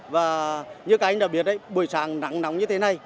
và như các anh đã biết buổi sáng nắng nóng như thế này